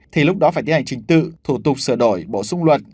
thì lúc đó phải tiến hành trình tự thủ tục sửa đổi bổ sung luật